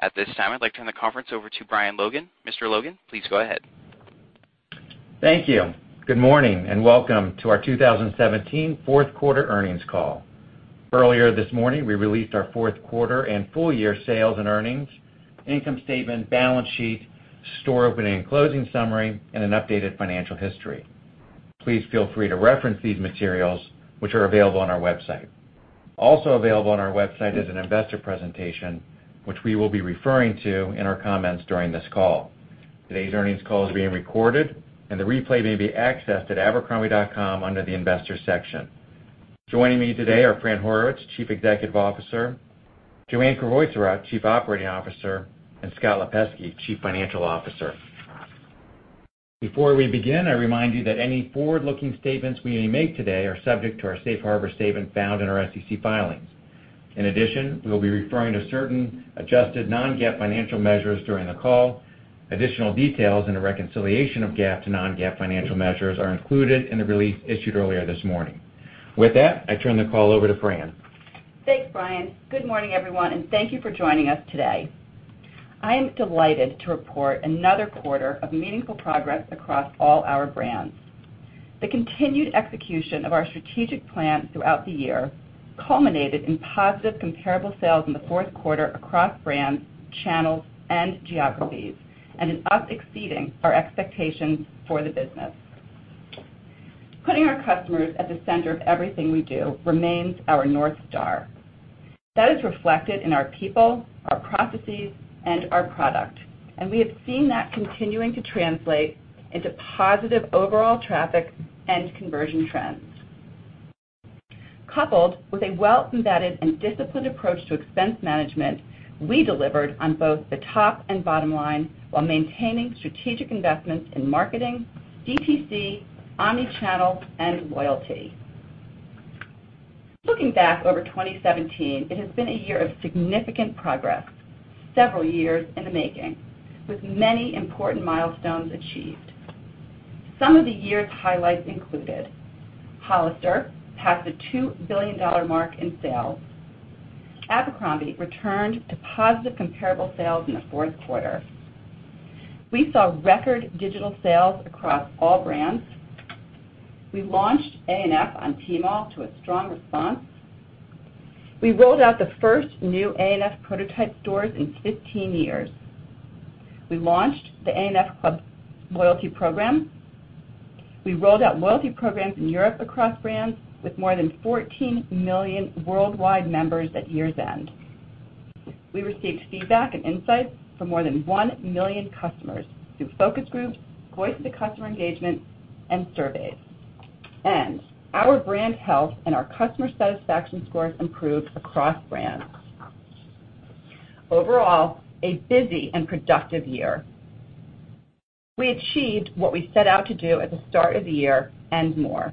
At this time, I'd like to turn the conference over to Brian Logan. Mr. Logan, please go ahead. Thank you. Good morning. Welcome to our 2017 fourth quarter earnings call. Earlier this morning, we released our fourth quarter and full-year sales and earnings, income statement, balance sheet, store opening and closing summary, and an updated financial history. Please feel free to reference these materials, which are available on our website. Also available on our website is an investor presentation, which we will be referring to in our comments during this call. Today's earnings call is being recorded, and the replay may be accessed at abercrombie.com under the investors section. Joining me today are Fran Horowitz, Chief Executive Officer, Joanne Crevoiserat, Chief Operating Officer, and Scott Lipesky, Chief Financial Officer. Before we begin, I remind you that any forward-looking statements we may make today are subject to our safe harbor statement found in our SEC filings. In addition, we will be referring to certain adjusted non-GAAP financial measures during the call. Additional details and a reconciliation of GAAP to non-GAAP financial measures are included in the release issued earlier this morning. With that, I turn the call over to Fran. Thanks, Brian. Good morning, everyone. Thank you for joining us today. I am delighted to report another quarter of meaningful progress across all our brands. The continued execution of our strategic plan throughout the year culminated in positive comparable sales in the fourth quarter across brands, channels, and geographies, and in us exceeding our expectations for the business. Putting our customers at the center of everything we do remains our North Star. That is reflected in our people, our processes, and our product, and we have seen that continuing to translate into positive overall traffic and conversion trends. Coupled with a well-embedded and disciplined approach to expense management, we delivered on both the top and bottom line while maintaining strategic investments in marketing, DTC, omnichannel, and loyalty. Looking back over 2017, it has been a year of significant progress, several years in the making, with many important milestones achieved. Some of the year's highlights included Hollister passed the $2 billion mark in sales. Abercrombie returned to positive comparable sales in the fourth quarter. We saw record digital sales across all brands. We launched A&F on Tmall to a strong response. We rolled out the first new A&F prototype stores in 15 years. We launched the A&F Club loyalty program. We rolled out loyalty programs in Europe across brands with more than 14 million worldwide members at year's end. We received feedback and insights from more than one million customers through focus groups, voice of the customer engagement, and surveys. Our brand health and our customer satisfaction scores improved across brands. Overall, a busy and productive year. We achieved what we set out to do at the start of the year and more.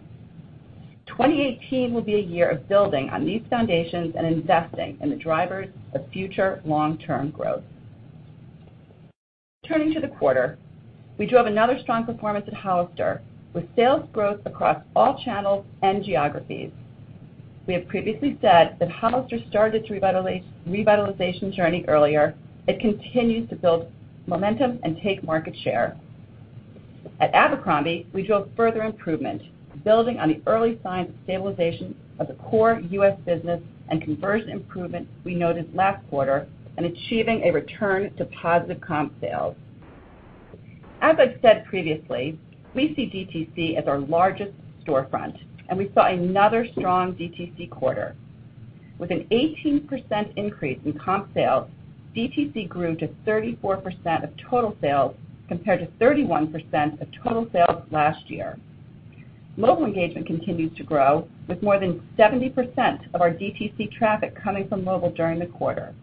2018 will be a year of building on these foundations and investing in the drivers of future long-term growth. Turning to the quarter, we drove another strong performance at Hollister, with sales growth across all channels and geographies. We have previously said that Hollister started to revitalization journey earlier. It continues to build momentum and take market share. At Abercrombie, we drove further improvement, building on the early signs of stabilization of the core U.S. business and conversion improvements we noted last quarter and achieving a return to positive comp sales. As I've said previously, we see DTC as our largest storefront. We saw another strong DTC quarter. With an 18% increase in comp sales, DTC grew to 34% of total sales, compared to 31% of total sales last year. Mobile engagement continues to grow, with more than 70% of our DTC traffic coming from mobile during the quarter.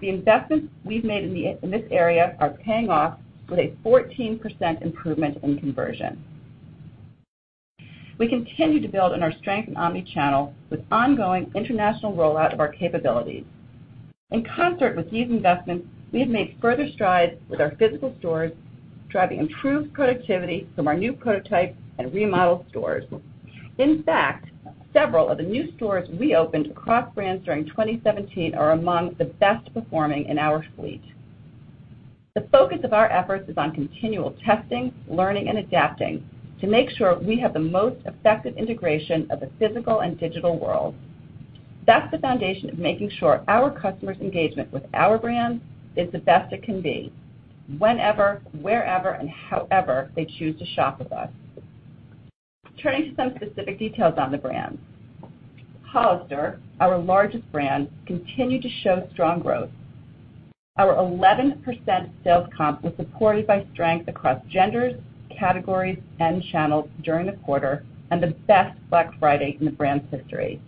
The investments we've made in this area are paying off with a 14% improvement in conversion. We continue to build on our strength in omnichannel with ongoing international rollout of our capabilities. In concert with these investments, we have made further strides with our physical stores, driving improved productivity from our new prototype and remodeled stores. In fact, several of the new stores we opened across brands during 2017 are among the best performing in our fleet. The focus of our efforts is on continual testing, learning, and adapting to make sure we have the most effective integration of the physical and digital world. That's the foundation of making sure our customers' engagement with our brand is the best it can be, whenever, wherever, and however they choose to shop with us. Turning to some specific details on the brands. Hollister, our largest brand, continued to show strong growth. Our 11% sales comp was supported by strength across genders, categories, and channels during the quarter and the best Black Friday in the brand's history.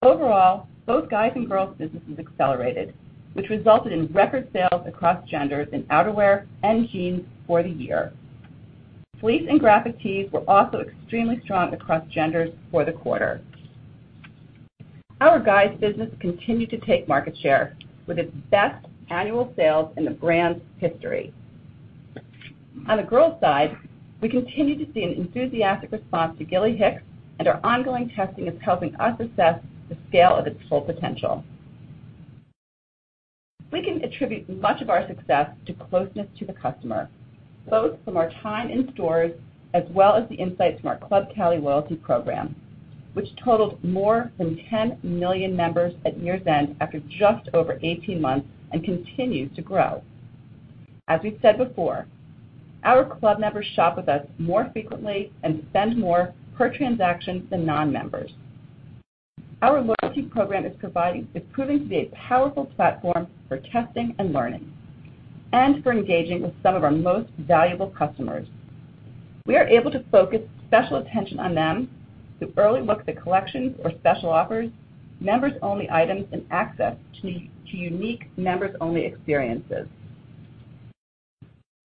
Overall, both guys and girls businesses accelerated, which resulted in record sales across genders in outerwear and jeans for the year. Fleece and graphic tees were also extremely strong across genders for the quarter. Our guys business continued to take market share with its best annual sales in the brand's history. On the girls side, we continue to see an enthusiastic response to Gilly Hicks. Our ongoing testing is helping us assess the scale of its full potential. We can attribute much of our success to closeness to the customer, both from our time in stores as well as the insights from our Club Cali loyalty program, which totaled more than 10 million members at year's end after just over 18 months and continues to grow. As we've said before, our club members shop with us more frequently and spend more per transaction than non-members. Our loyalty program is proving to be a powerful platform for testing and learning and for engaging with some of our most valuable customers. We are able to focus special attention on them through early looks at collections or special offers, members-only items, and access to unique members-only experiences.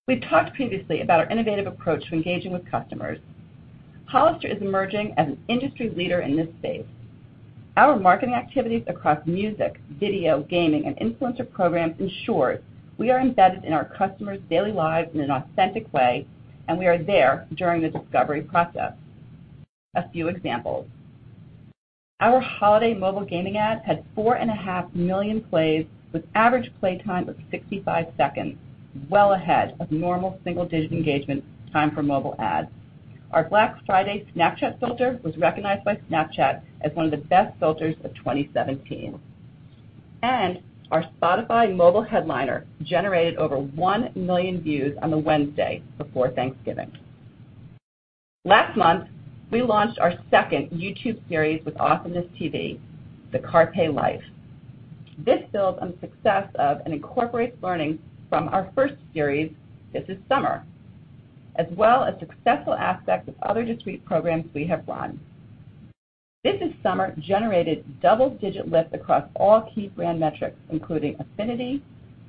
We've talked previously about our innovative approach to engaging with customers. Hollister is emerging as an industry leader in this space. Our marketing activities across music, video, gaming, and influencer programs ensure we are embedded in our customers' daily lives in an authentic way, and we are there during the discovery process. A few examples. Our holiday mobile gaming ad had four and a half million plays with average play time of 65 seconds, well ahead of normal single-digit engagement time for mobile ads. Our Black Friday Snapchat filter was recognized by Snapchat as one of the best filters of 2017. Our Spotify mobile headliner generated over one million views on the Wednesday before Thanksgiving. Last month, we launched our second YouTube series with AwesomenessTV, "The Carpe Life." This builds on the success of and incorporates learning from our first series, "This is Summer," as well as successful aspects of other digital programs we have run. This is Summer" generated double-digit lift across all key brand metrics, including affinity,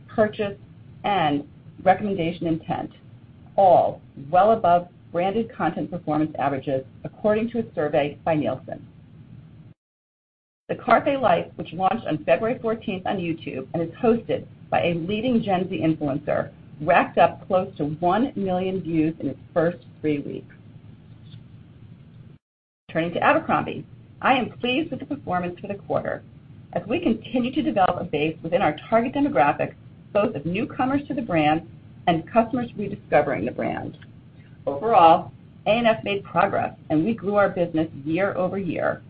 purchase, and recommendation intent, all well above branded content performance averages, according to a survey by Nielsen. "The Carpe Life," which launched on February 14th on YouTube and is hosted by a leading Gen Z influencer, racked up close to one million views in its first three weeks. Turning to Abercrombie. I am pleased with the performance for the quarter as we continue to develop a base within our target demographics, both of newcomers to the brand and customers rediscovering the brand. Overall, A&F made progress, and we grew our business year-over-year.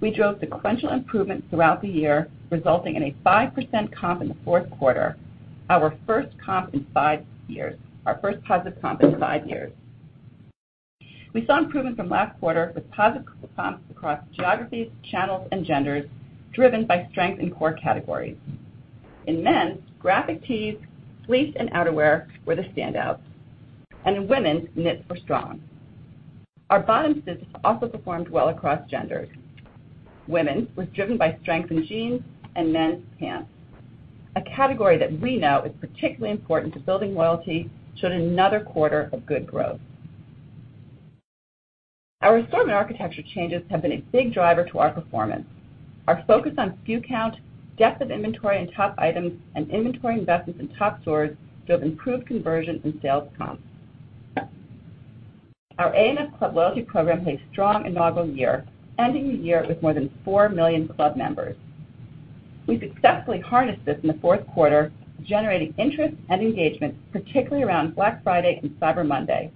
We drove sequential improvements throughout the year, resulting in a 5% comp in the fourth quarter, our first positive comp in five years. We saw improvement from last quarter with positive comps across geographies, channels, and genders, driven by strength in core categories. In men's, graphic tees, fleece, and outerwear were the standouts, and in women's, knits were strong. Our bottoms business also performed well across genders. Women was driven by strength in jeans, and men's pants. A category that we know is particularly important to building loyalty showed another quarter of good growth. Our assortment architecture changes have been a big driver to our performance. Our focus on SKU count, depth of inventory and top items, and inventory investments in top stores drove improved conversion and sales comps. Our A&F Club loyalty program had a strong inaugural year, ending the year with more than four million club members. We successfully harnessed this in the fourth quarter, generating interest and engagement, particularly around Black Friday and Cyber Monday.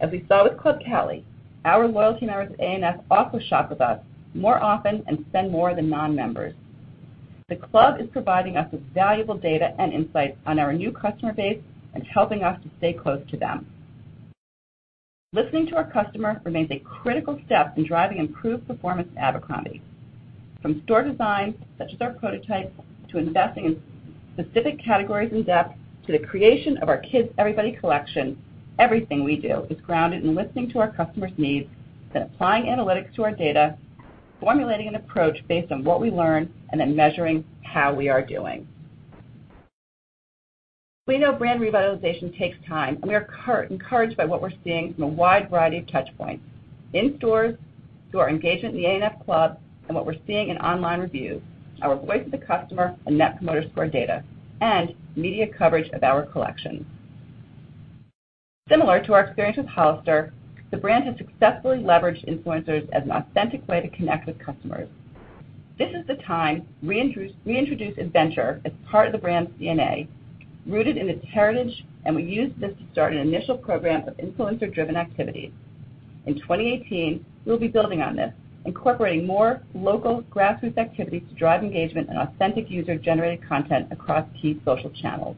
As we saw with Club Cali, our loyalty members at A&F also shop with us more often and spend more than non-members. The club is providing us with valuable data and insights on our new customer base and helping us to stay close to them. Listening to our customer remains a critical step in driving improved performance at Abercrombie. From store design, such as our prototype, to investing in specific categories in depth to the creation of our Kids Everybody Collection, everything we do is grounded in listening to our customers' needs, then applying analytics to our data, formulating an approach based on what we learn, and then measuring how we are doing. We know brand revitalization takes time, and we are encouraged by what we're seeing from a wide variety of touch points. In stores, through our engagement in the A&F Club, and what we're seeing in online reviews, our voice of the customer and Net Promoter Score data, and media coverage of our collection. Similar to our experience with Hollister, the brand has successfully leveraged influencers as an authentic way to connect with customers. "This Is The Time" reintroduced adventure as part of the brand's DNA, rooted in its heritage, and we used this to start an initial program of influencer-driven activities. In 2018, we'll be building on this, incorporating more local grassroots activities to drive engagement and authentic user-generated content across key social channels.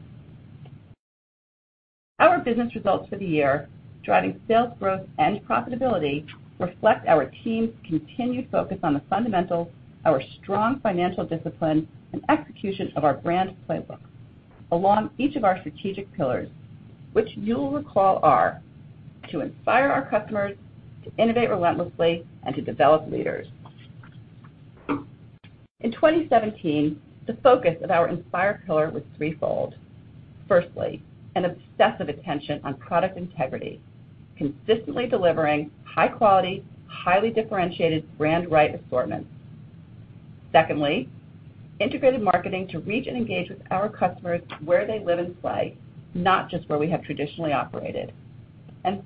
Our business results for the year, driving sales growth and profitability, reflect our team's continued focus on the fundamentals, our strong financial discipline, and execution of our brand playbook along each of our strategic pillars, which you'll recall are to inspire our customers, to innovate relentlessly, and to develop leaders. In 2017, the focus of our inspire pillar was threefold. Firstly, an obsessive attention on product integrity, consistently delivering high quality, highly differentiated, brand right assortments. Secondly, integrated marketing to reach and engage with our customers where they live and play, not just where we have traditionally operated.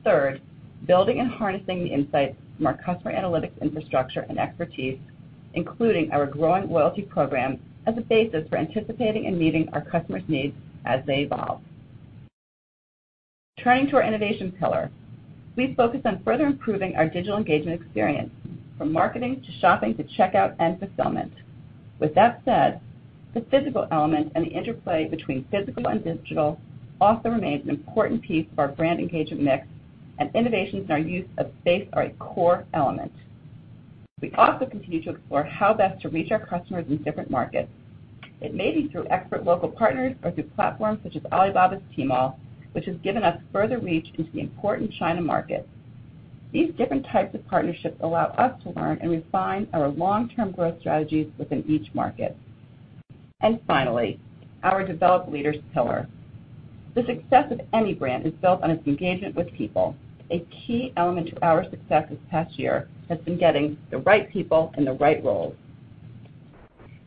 Third, building and harnessing the insights from our customer analytics infrastructure and expertise, including our growing loyalty program as a basis for anticipating and meeting our customers' needs as they evolve. Turning to our innovation pillar. We focus on further improving our digital engagement experience, from marketing to shopping to checkout and fulfillment. With that said, the physical element and the interplay between physical and digital also remains an important piece of our brand engagement mix, and innovations in our use of space are a core element. We also continue to explore how best to reach our customers in different markets. It may be through expert local partners or through platforms such as Alibaba's Tmall, which has given us further reach into the important China market. These different types of partnerships allow us to learn and refine our long-term growth strategies within each market. Finally, our develop leaders pillar. The success of any brand is built on its engagement with people. A key element to our success this past year has been getting the right people in the right roles,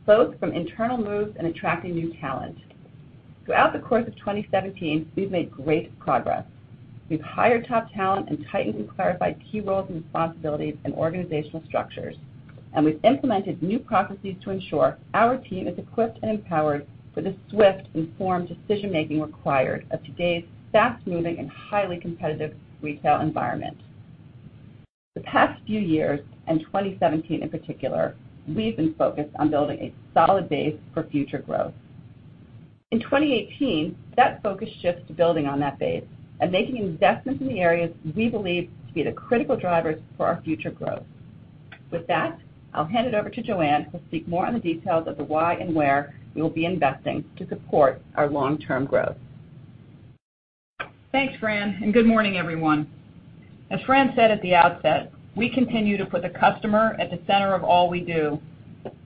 both from internal moves and attracting new talent. Throughout the course of 2017, we've made great progress. We've hired top talent and tightened and clarified key roles and responsibilities and organizational structures, and we've implemented new processes to ensure our team is equipped and empowered for the swift, informed decision-making required of today's fast-moving and highly competitive retail environment. The past few years, and 2017 in particular, we've been focused on building a solid base for future growth. In 2018, that focus shifts to building on that base and making investments in the areas we believe to be the critical drivers for our future growth. With that, I'll hand it over to Joanne, who'll speak more on the details of the why and where we will be investing to support our long-term growth. Thanks, Fran. Good morning, everyone. As Fran said at the outset, we continue to put the customer at the center of all we do.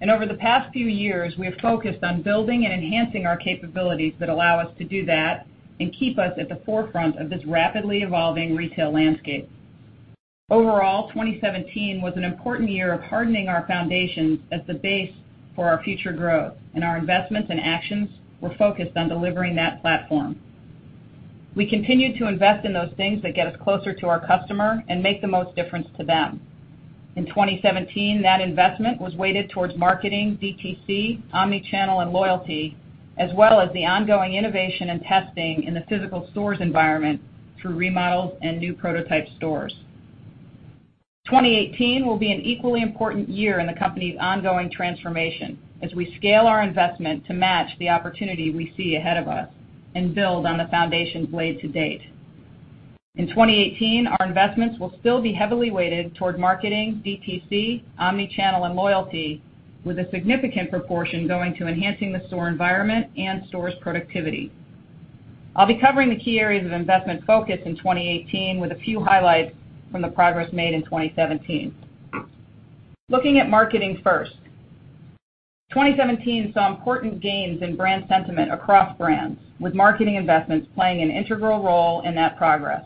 Over the past few years, we have focused on building and enhancing our capabilities that allow us to do that and keep us at the forefront of this rapidly evolving retail landscape. Overall, 2017 was an important year of hardening our foundations as the base for our future growth. Our investments and actions were focused on delivering that platform. We continued to invest in those things that get us closer to our customer and make the most difference to them. In 2017, that investment was weighted towards marketing, DTC, omnichannel, and loyalty, as well as the ongoing innovation and testing in the physical stores environment through remodels and new prototype stores. 2018 will be an equally important year in the company's ongoing transformation as we scale our investment to match the opportunity we see ahead of us and build on the foundations laid to date. In 2018, our investments will still be heavily weighted toward marketing, DTC, omnichannel, and loyalty, with a significant proportion going to enhancing the store environment and stores' productivity. I'll be covering the key areas of investment focus in 2018 with a few highlights from the progress made in 2017. Looking at marketing first. 2017 saw important gains in brand sentiment across brands, with marketing investments playing an integral role in that progress.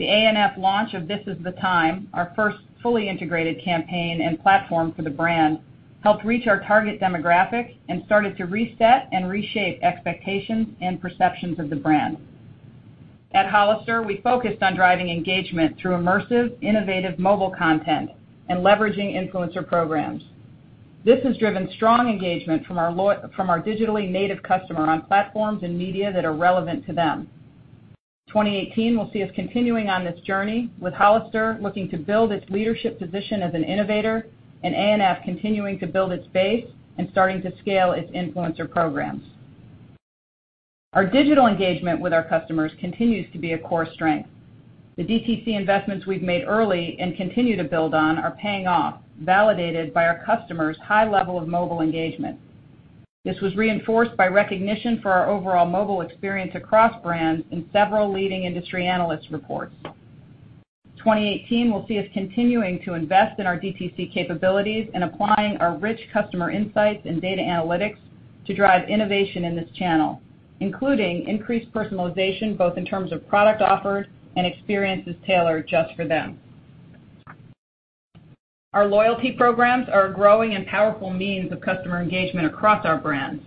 The A&F launch of This Is The Time, our first fully integrated campaign and platform for the brand, helped reach our target demographic and started to reset and reshape expectations and perceptions of the brand. At Hollister, we focused on driving engagement through immersive, innovative mobile content and leveraging influencer programs. This has driven strong engagement from our digitally native customer on platforms and media that are relevant to them. 2018 will see us continuing on this journey with Hollister looking to build its leadership position as an innovator and A&F continuing to build its base and starting to scale its influencer programs. Our digital engagement with our customers continues to be a core strength. The DTC investments we've made early and continue to build on are paying off, validated by our customers' high level of mobile engagement. This was reinforced by recognition for our overall mobile experience across brands in several leading industry analyst reports. 2018 will see us continuing to invest in our DTC capabilities and applying our rich customer insights and data analytics to drive innovation in this channel, including increased personalization, both in terms of product offers and experiences tailored just for them. Our loyalty programs are a growing and powerful means of customer engagement across our brands.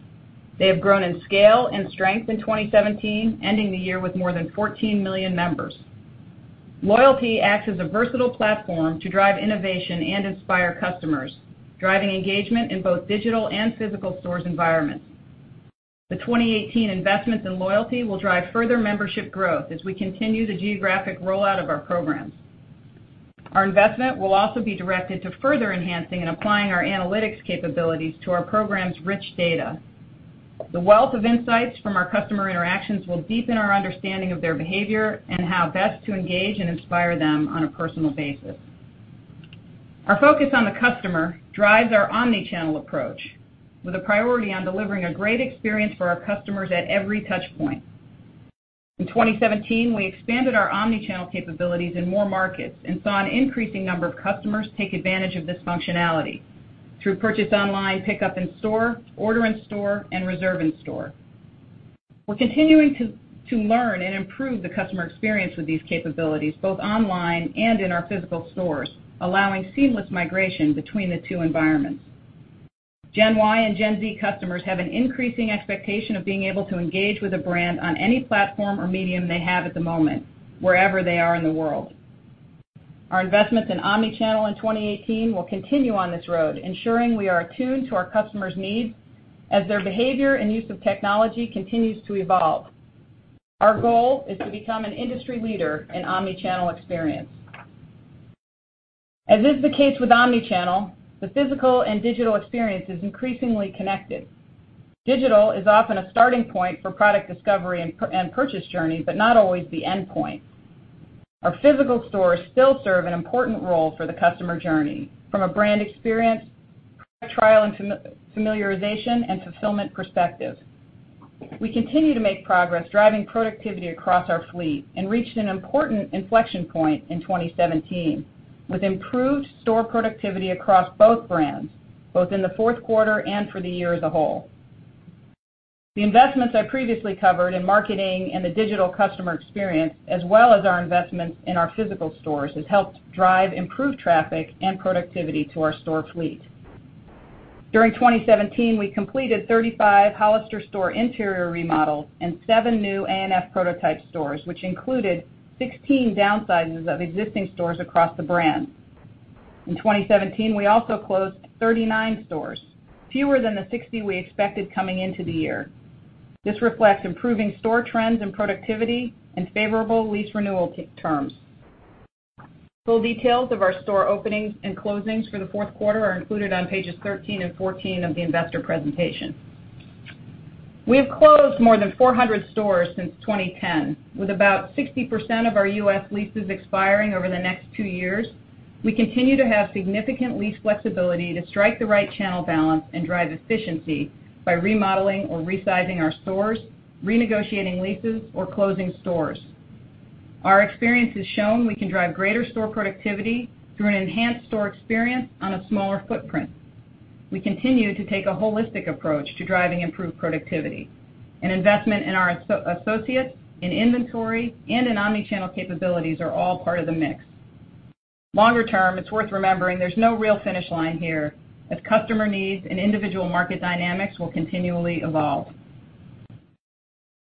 They have grown in scale and strength in 2017, ending the year with more than 14 million members. Loyalty acts as a versatile platform to drive innovation and inspire customers, driving engagement in both digital and physical stores environments. The 2018 investments in loyalty will drive further membership growth as we continue the geographic rollout of our programs. Our investment will also be directed to further enhancing and applying our analytics capabilities to our program's rich data. The wealth of insights from our customer interactions will deepen our understanding of their behavior and how best to engage and inspire them on a personal basis. Our focus on the customer drives our omnichannel approach, with a priority on delivering a great experience for our customers at every touchpoint. In 2017, we expanded our omnichannel capabilities in more markets and saw an increasing number of customers take advantage of this functionality through purchase online, pickup in store, order in store, and reserve in store. We're continuing to learn and improve the customer experience with these capabilities, both online and in our physical stores, allowing seamless migration between the two environments. Gen Y and Gen Z customers have an increasing expectation of being able to engage with a brand on any platform or medium they have at the moment, wherever they are in the world. Our investments in omni-channel in 2018 will continue on this road, ensuring we are attuned to our customers' needs as their behavior and use of technology continues to evolve. Our goal is to become an industry leader in omni-channel experience. As is the case with omni-channel, the physical and digital experience is increasingly connected. Digital is often a starting point for product discovery and purchase journeys, but not always the endpoint. Our physical stores still serve an important role for the customer journey, from a brand experience, product trial, and familiarization, and fulfillment perspective. We continue to make progress driving productivity across our fleet and reached an important inflection point in 2017, with improved store productivity across both brands, both in the fourth quarter and for the year as a whole. The investments I previously covered in marketing and the digital customer experience, as well as our investments in our physical stores, has helped drive improved traffic and productivity to our store fleet. During 2017, we completed 35 Hollister store interior remodels and seven new A&F prototype stores, which included 16 downsizes of existing stores across the brand. In 2017, we also closed 39 stores, fewer than the 60 we expected coming into the year. This reflects improving store trends and productivity and favorable lease renewal terms. Full details of our store openings and closings for the fourth quarter are included on pages 13 and 14 of the investor presentation. We have closed more than 400 stores since 2010. With about 60% of our U.S. leases expiring over the next two years, we continue to have significant lease flexibility to strike the right channel balance and drive efficiency by remodeling or resizing our stores, renegotiating leases, or closing stores. Our experience has shown we can drive greater store productivity through an enhanced store experience on a smaller footprint. We continue to take a holistic approach to driving improved productivity. An investment in our associates, in inventory, and in omni-channel capabilities are all part of the mix. Longer term, it's worth remembering there's no real finish line here, as customer needs and individual market dynamics will continually evolve.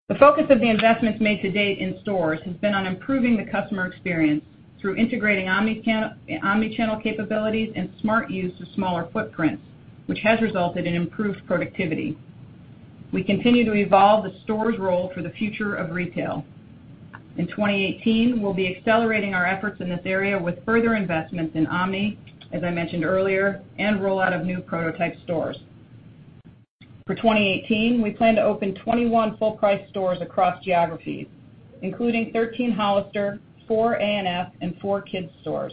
The focus of the investments made to date in stores has been on improving the customer experience through integrating omni-channel capabilities and smart use of smaller footprints, which has resulted in improved productivity. We continue to evolve the store's role for the future of retail. In 2018, we'll be accelerating our efforts in this area with further investments in omni, as I mentioned earlier, and rollout of new prototype stores. For 2018, we plan to open 21 full-price stores across geographies, including 13 Hollister, four A&F, and four kids stores.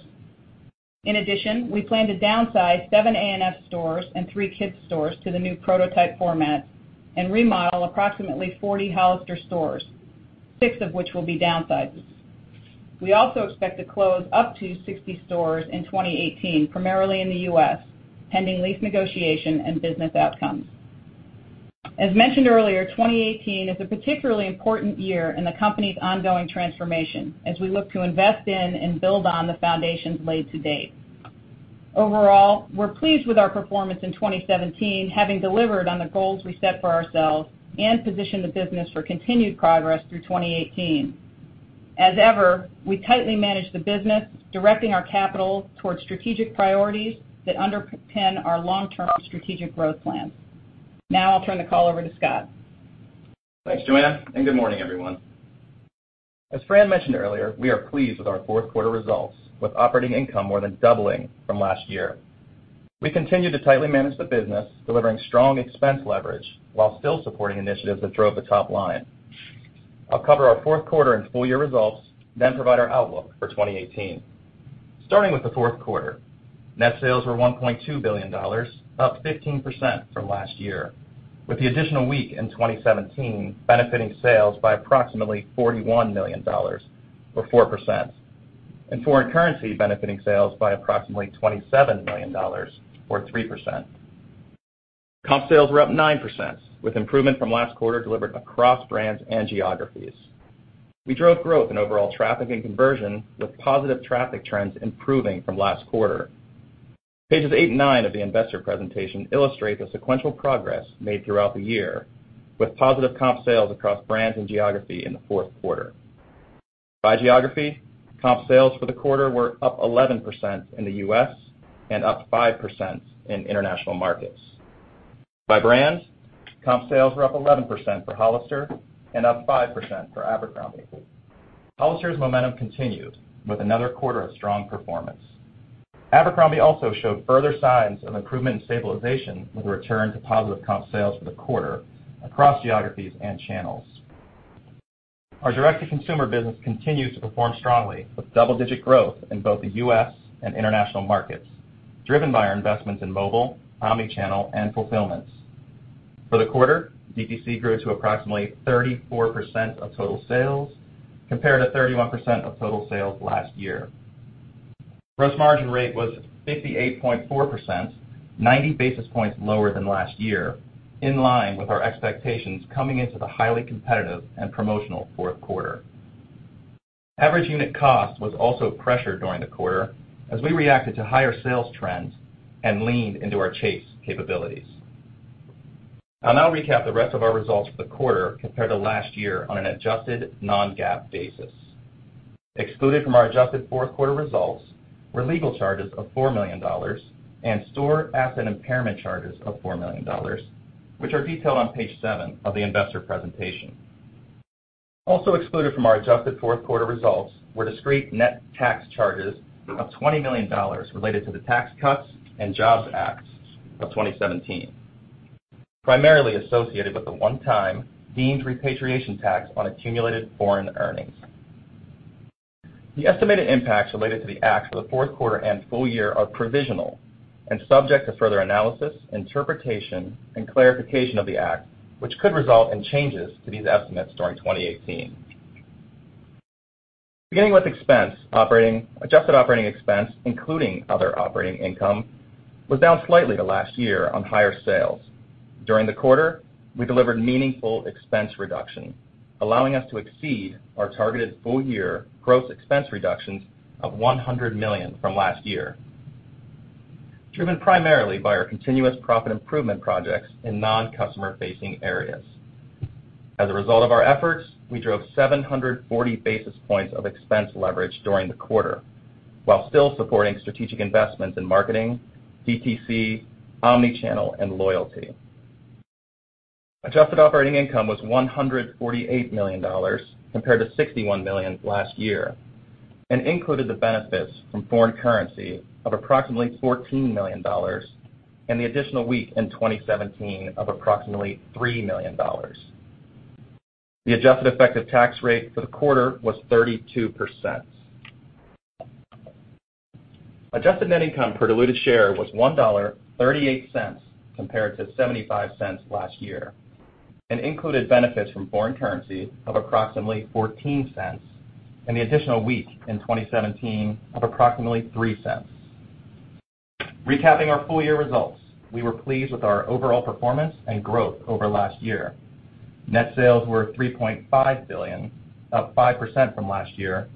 In addition, we plan to downsize seven A&F stores and three kids stores to the new prototype format and remodel approximately 40 Hollister stores, six of which will be downsizes. We also expect to close up to 60 stores in 2018, primarily in the U.S., pending lease negotiation and business outcomes. As mentioned earlier, 2018 is a particularly important year in the company's ongoing transformation as we look to invest in and build on the foundations laid to date. Overall, we're pleased with our performance in 2017, having delivered on the goals we set for ourselves and positioned the business for continued progress through 2018. As ever, we tightly manage the business, directing our capital towards strategic priorities that underpin our long-term strategic growth plans. Now I'll turn the call over to Scott. Thanks, Joanne, and good morning, everyone. As Fran mentioned earlier, we are pleased with our fourth quarter results with operating income more than doubling from last year. We continue to tightly manage the business, delivering strong expense leverage while still supporting initiatives that drove the top line. I'll cover our fourth quarter and full-year results, then provide our outlook for 2018. Starting with the fourth quarter, net sales were $1.2 billion, up 15% from last year, with the additional week in 2017 benefiting sales by approximately $41 million, or 4%, and foreign currency benefiting sales by approximately $27 million, or 3%. Comp sales were up 9%, with improvement from last quarter delivered across brands and geographies. We drove growth in overall traffic and conversion, with positive traffic trends improving from last quarter. Pages eight and nine of the investor presentation illustrate the sequential progress made throughout the year, with positive comp sales across brands and geography in the fourth quarter. By geography, comp sales for the quarter were up 11% in the U.S. and up 5% in international markets. By brand, comp sales were up 11% for Hollister and up 5% for Abercrombie. Hollister's momentum continued with another quarter of strong performance. Abercrombie also showed further signs of improvement and stabilization with a return to positive comp sales for the quarter across geographies and channels. Our direct-to-consumer business continues to perform strongly with double-digit growth in both the U.S. and international markets, driven by our investments in mobile, omni-channel, and fulfillments. For the quarter, DTC grew to approximately 34% of total sales, compared to 31% of total sales last year. Gross margin rate was 58.4%, 90 basis points lower than last year, in line with our expectations coming into the highly competitive and promotional fourth quarter. Average unit cost was also pressured during the quarter as we reacted to higher sales trends and leaned into our chase capabilities. I will now recap the rest of our results for the quarter compared to last year on an adjusted non-GAAP basis. Excluded from our adjusted fourth quarter results were legal charges of $4 million and store asset impairment charges of $4 million, which are detailed on page seven of the investor presentation. Also excluded from our adjusted fourth quarter results were discrete net tax charges of $20 million related to the Tax Cuts and Jobs Act of 2017, primarily associated with the one-time deemed repatriation tax on accumulated foreign earnings. The estimated impacts related to the act for the fourth quarter and full year are provisional and subject to further analysis, interpretation, and clarification of the act, which could result in changes to these estimates during 2018. Beginning with expense, adjusted operating expense, including other operating income, was down slightly to last year on higher sales. During the quarter, we delivered meaningful expense reduction, allowing us to exceed our targeted full-year gross expense reductions of $100 million from last year, driven primarily by our continuous profit improvement projects in non-customer-facing areas. As a result of our efforts, we drove 740 basis points of expense leverage during the quarter while still supporting strategic investments in marketing, DTC, omni-channel, and loyalty. Adjusted operating income was $148 million compared to $61 million last year and included the benefits from foreign currency of approximately $14 million and the additional week in 2017 of approximately $3 million. The adjusted effective tax rate for the quarter was 32%. Adjusted net income per diluted share was $1.38 compared to $0.75 last year and included benefits from foreign currency of approximately $0.14 and the additional week in 2017 of approximately $0.03. Recapping our full-year results, we were pleased with our overall performance and growth over last year. Net sales were $3.5 billion, up 5% from last year,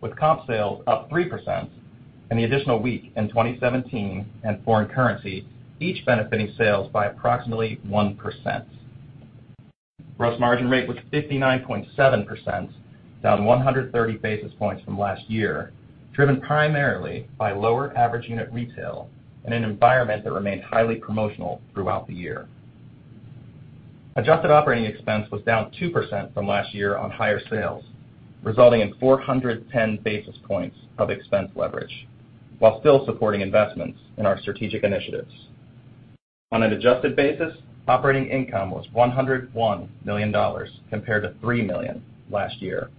with comp sales up 3% and the additional week in 2017 and foreign currency, each benefiting sales by approximately 1%. Gross margin rate was 59.7%, down 130 basis points from last year, driven primarily by lower average unit retail in an environment that remained highly promotional throughout the year. Adjusted operating expense was down 2% from last year on higher sales, resulting in 410 basis points of expense leverage while still supporting investments in our strategic initiatives. On an adjusted basis, operating income was $101 million compared to $3 million last year,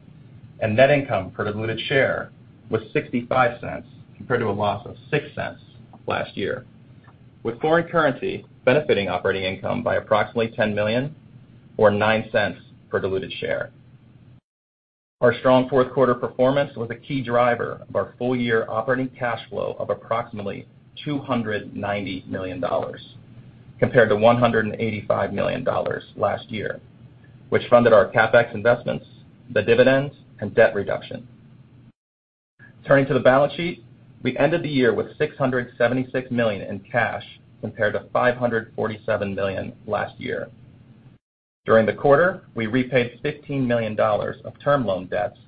and net income per diluted share was $0.65 compared to a loss of $0.06 last year, with foreign currency benefiting operating income by approximately $10 million or $0.09 per diluted share. Our strong fourth quarter performance was a key driver of our full-year operating cash flow of approximately $290 million compared to $185 million last year, which funded our CapEx investments, the dividends, and debt reduction. Turning to the balance sheet, we ended the year with $676 million in cash compared to $547 million last year. During the quarter, we repaid $15 million of term loan debts,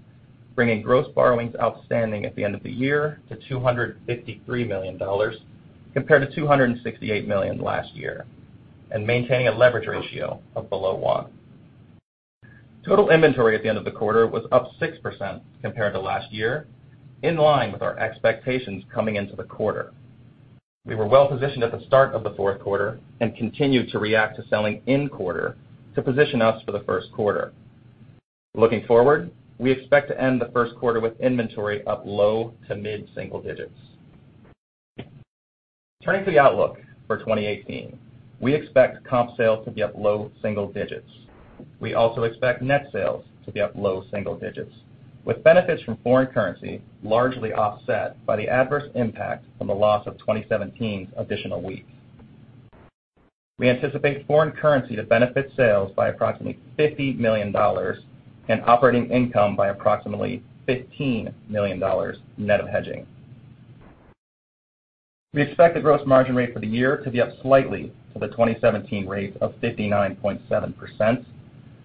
bringing gross borrowings outstanding at the end of the year to $253 million compared to $268 million last year, and maintaining a leverage ratio of below one. Total inventory at the end of the quarter was up 6% compared to last year, in line with our expectations coming into the quarter. We were well-positioned at the start of the fourth quarter and continued to react to selling in quarter to position us for the first quarter. Looking forward, we expect to end the first quarter with inventory up low to mid-single digits. Turning to the outlook for 2018, we expect comp sales to be up low single digits. We also expect net sales to be up low single digits with benefits from foreign currency largely offset by the adverse impact from the loss of 2017's additional week. We anticipate foreign currency to benefit sales by approximately $50 million and operating income by approximately $15 million net of hedging. We expect the gross margin rate for the year to be up slightly to the 2017 rate of 59.7%,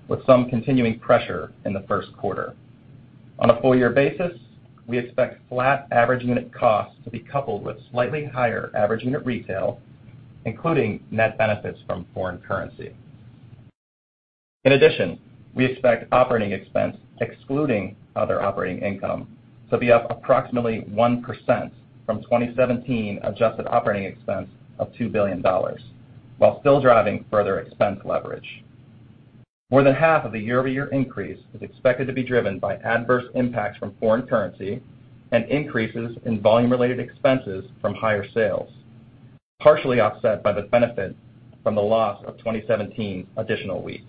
with some continuing pressure in the first quarter. On a full-year basis, we expect flat average unit cost to be coupled with slightly higher average unit retail, including net benefits from foreign currency. In addition, we expect operating expense, excluding other operating income, to be up approximately 1% from 2017 adjusted operating expense of $2 billion while still driving further expense leverage. More than half of the year-over-year increase is expected to be driven by adverse impacts from foreign currency and increases in volume-related expenses from higher sales, partially offset by the benefit from the loss of 2017 additional week.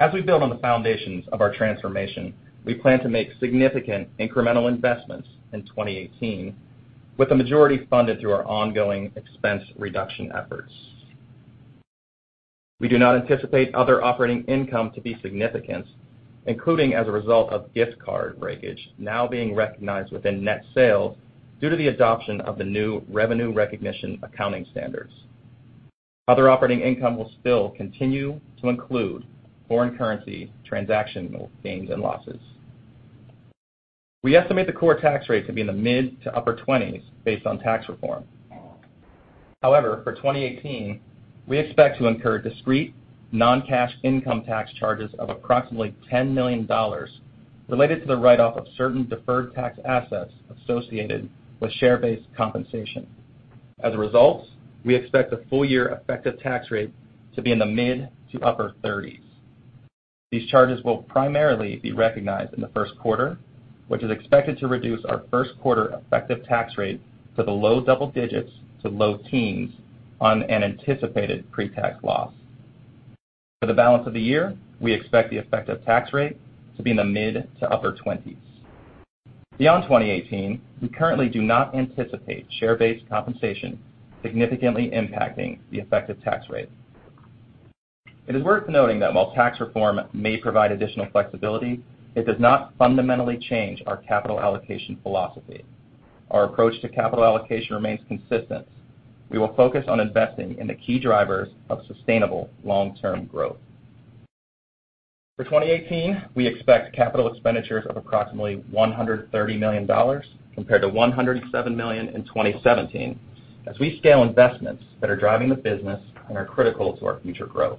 As we build on the foundations of our transformation, we plan to make significant incremental investments in 2018 with the majority funded through our ongoing expense reduction efforts. We do not anticipate other operating income to be significant, including as a result of gift card breakage now being recognized within net sales due to the adoption of the new revenue recognition accounting standards. Other operating income will still continue to include foreign currency transactional gains and losses. We estimate the core tax rate to be in the mid to upper twenties based on tax reform. However, for 2018, we expect to incur discrete non-cash income tax charges of approximately $10 million related to the write-off of certain deferred tax assets associated with share-based compensation. As a result, we expect the full-year effective tax rate to be in the mid to upper thirties. These charges will primarily be recognized in the first quarter, which is expected to reduce our first quarter effective tax rate to the low double digits to low teens on an anticipated pre-tax loss. For the balance of the year, we expect the effective tax rate to be in the mid to upper twenties. Beyond 2018, we currently do not anticipate share-based compensation significantly impacting the effective tax rate. It is worth noting that while tax reform may provide additional flexibility, it does not fundamentally change our capital allocation philosophy. Our approach to capital allocation remains consistent. We will focus on investing in the key drivers of sustainable long-term growth. For 2018, we expect capital expenditures of approximately $130 million compared to $107 million in 2017, as we scale investments that are driving the business and are critical to our future growth.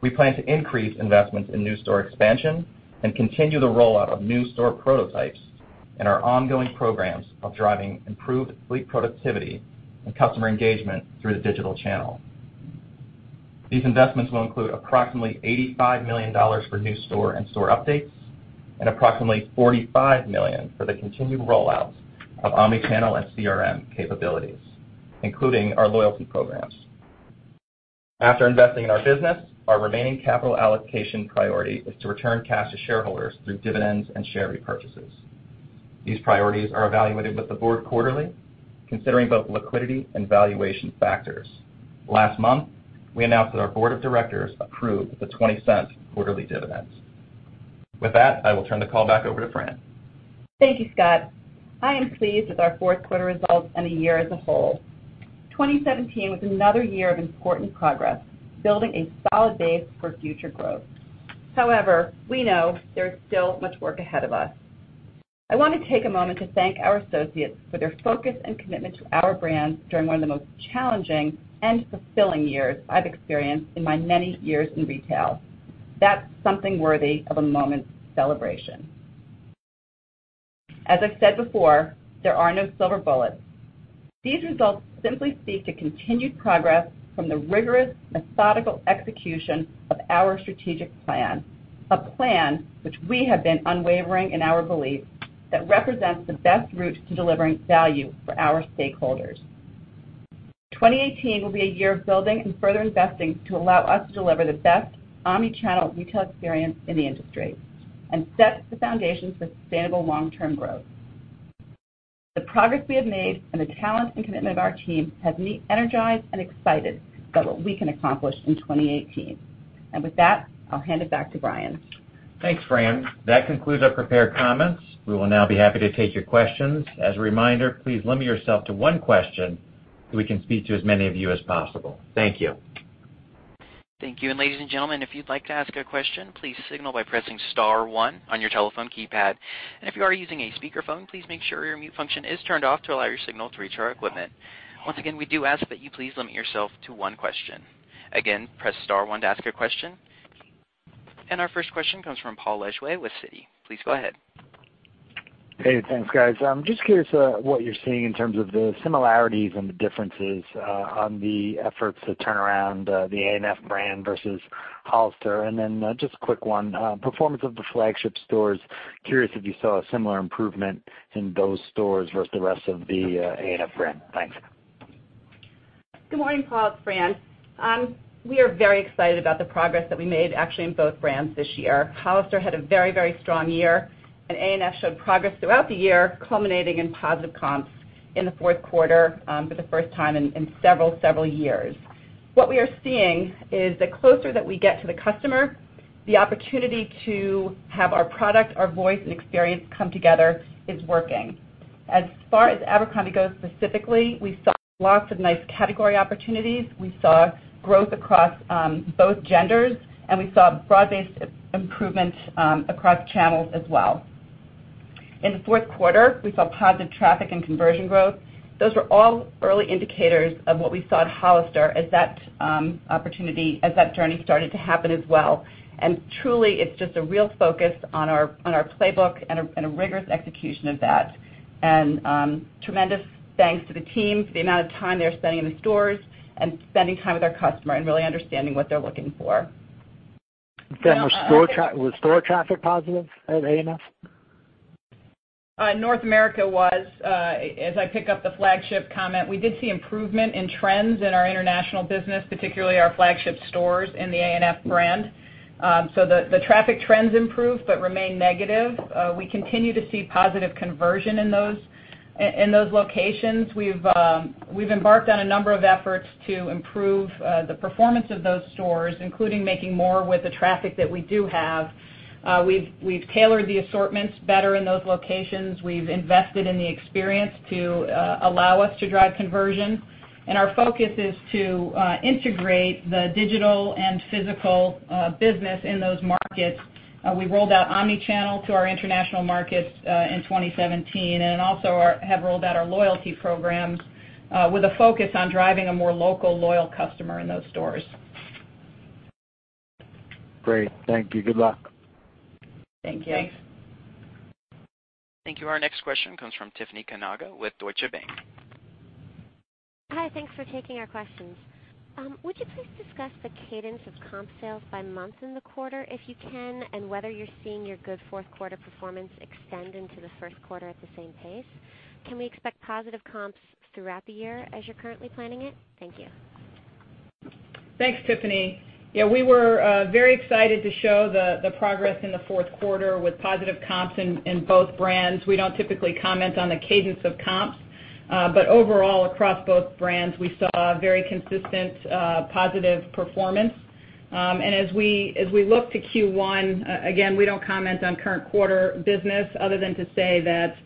We plan to increase investments in new store expansion and continue the rollout of new store prototypes and our ongoing programs of driving improved fleet productivity and customer engagement through the digital channel. These investments will include approximately $85 million for new store and store updates and approximately $45 million for the continued rollout of omni-channel and CRM capabilities, including our loyalty programs. After investing in our business, our remaining capital allocation priority is to return cash to shareholders through dividends and share repurchases. These priorities are evaluated with the board quarterly, considering both liquidity and valuation factors. Last month, we announced that our board of directors approved the $0.20 quarterly dividends. With that, I will turn the call back over to Fran. Thank you, Scott. I am pleased with our fourth quarter results and the year as a whole. 2017 was another year of important progress, building a solid base for future growth. However, we know there is still much work ahead of us. I want to take a moment to thank our associates for their focus and commitment to our brand during one of the most challenging and fulfilling years I've experienced in my many years in retail. That's something worthy of a moment's celebration. As I've said before, there are no silver bullets. These results simply speak to continued progress from the rigorous, methodical execution of our strategic plan, a plan which we have been unwavering in our belief that represents the best route to delivering value for our stakeholders. 2018 will be a year of building and further investing to allow us to deliver the best omni-channel retail experience in the industry and set the foundation for sustainable long-term growth. The progress we have made and the talent and commitment of our team have me energized and excited about what we can accomplish in 2018. With that, I'll hand it back to Brian. Thanks, Fran. That concludes our prepared comments. We will now be happy to take your questions. As a reminder, please limit yourself to one question so we can speak to as many of you as possible. Thank you. Thank you. Ladies and gentlemen, if you'd like to ask a question, please signal by pressing *1 on your telephone keypad. If you are using a speakerphone, please make sure your mute function is turned off to allow your signal to reach our equipment. Once again, we do ask that you please limit yourself to one question. Again, press *1 to ask a question. Our first question comes from Paul Lejuez with Citi. Please go ahead. Hey, thanks, guys. I'm just curious what you're seeing in terms of the similarities and the differences on the efforts to turn around the A&F brand versus Hollister. Then just a quick one, performance of the flagship stores. Curious if you saw a similar improvement in those stores versus the rest of the A&F brand. Thanks. Good morning, Paul. It's Fran. We are very excited about the progress that we made actually in both brands this year. Hollister had a very strong year. A&F showed progress throughout the year, culminating in positive comps in the fourth quarter for the first time in several years. What we are seeing is the closer that we get to the customer the opportunity to have our product, our voice, and experience come together is working. As far as Abercrombie goes specifically, we saw lots of nice category opportunities. We saw growth across both genders, we saw broad-based improvement across channels as well. In the fourth quarter, we saw positive traffic and conversion growth. Those were all early indicators of what we saw at Hollister as that opportunity as that journey started to happen as well. Truly, it's just a real focus on our playbook and a rigorous execution of that. Tremendous thanks to the team for the amount of time they're spending in the stores and spending time with our customer and really understanding what they're looking for. Fran, was store traffic positive at A&F? North America was, as I pick up the flagship comment, we did see improvement in trends in our international business, particularly our flagship stores in the A&F brand. The traffic trends improved but remain negative. We continue to see positive conversion in those locations. We've embarked on a number of efforts to improve the performance of those stores, including making more with the traffic that we do have. We've tailored the assortments better in those locations. We've invested in the experience to allow us to drive conversion, and our focus is to integrate the digital and physical business in those markets. We rolled out omni-channel to our international markets in 2017 and also have rolled out our loyalty programs with a focus on driving a more local, loyal customer in those stores. Great. Thank you. Good luck. Thank you. Thanks. Thank you. Our next question comes from Tiffany Kanaga with Deutsche Bank. Hi. Thanks for taking our questions. Would you please discuss the cadence of comp sales by month in the quarter, if you can, and whether you're seeing your good fourth quarter performance extend into the first quarter at the same pace? Can we expect positive comps throughout the year as you're currently planning it? Thank you. Thanks, Tiffany. Yeah, we were very excited to show the progress in the fourth quarter with positive comps in both brands. We don't typically comment on the cadence of comps. Overall, across both brands, we saw very consistent positive performance. As we look to Q1, again, we don't comment on current quarter business other than to say that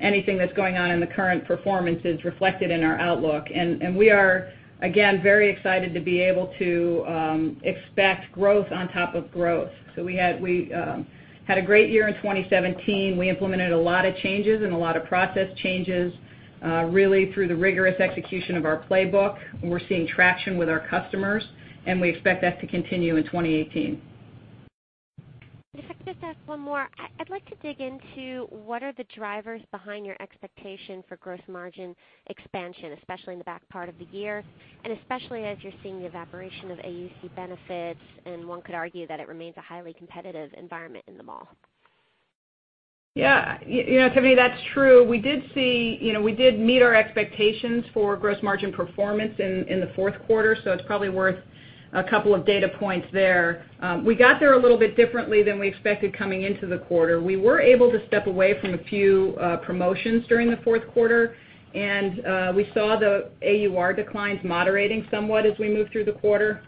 anything that's going on in the current performance is reflected in our outlook. We are, again, very excited to be able to expect growth on top of growth. We had a great year in 2017. We implemented a lot of changes and a lot of process changes, really through the rigorous execution of our playbook, and we're seeing traction with our customers, and we expect that to continue in 2018. If I could just ask one more, I'd like to dig into what are the drivers behind your expectation for gross margin expansion, especially in the back part of the year, and especially as you're seeing the evaporation of AUC benefits, and one could argue that it remains a highly competitive environment in the mall. Tiffany, that's true. We did meet our expectations for gross margin performance in the fourth quarter, it's probably worth a couple of data points there. We got there a little bit differently than we expected coming into the quarter. We were able to step away from a few promotions during the fourth quarter, and we saw the AUR declines moderating somewhat as we moved through the quarter.